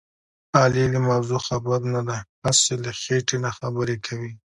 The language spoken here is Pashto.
علي له موضوع خبر نه دی. هسې له خېټې نه خبرې کوي.